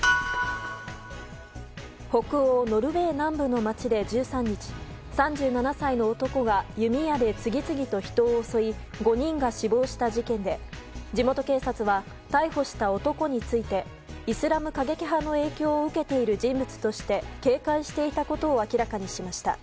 北欧ノルウェー南部の街で１３日３７歳の男が弓矢で次々と人を襲い５人が死亡した事件で地元警察は逮捕した男についてイスラム過激派の影響を受けている人物として警戒していたことを明らかにしました。